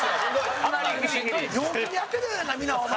陽気にやってるやないかみんな、お前！